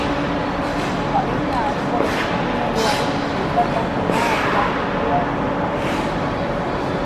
Familia askoren sufrimenduari elkartasuna adierazi dio buruzagiak.